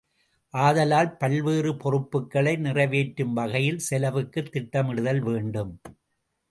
ஆதலால் பல்வேறு பொறுப்புக்களை நிறைவேற்றும் வகையில் செலவுக்குத் திட்டமிடுதல் வேண்டும்.